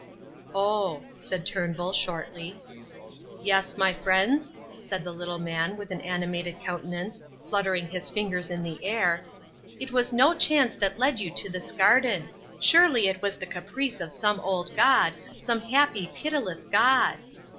"Oh!" said Turnbull shortly. "Yes, my friends," said the little man, with an animated countenance, fluttering his fingers in the air, "it was no chance that led you to this garden; surely it was the caprice of some old god, some happy, pitiless god.